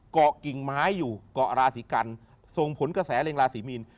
เกาะกิ่งไม้อยู่เกาะราศีกันส่งผลกระแสเร็งราศีมีน